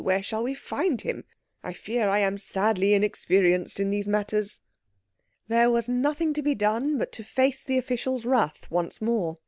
Where shall we find him? I fear I am sadly inexperienced in these matters." There was nothing to be done but to face the official's wrath once more.